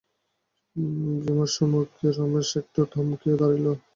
বিমর্ষমুখে রমেশ একটু থমকিয়া দাঁড়াইল।